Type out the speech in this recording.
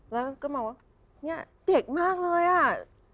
แล้วก็มาว่าเด็กมากเลยอะ